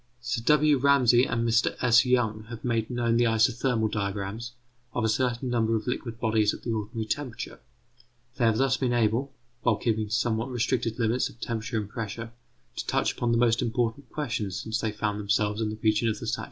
Sir W. Ramsay and Mr S. Young have made known the isothermal diagrams of a certain number of liquid bodies at the ordinary temperature. They have thus been able, while keeping to somewhat restricted limits of temperature and pressure, to touch upon the most important questions, since they found themselves in the region of the saturation curve and of the critical point.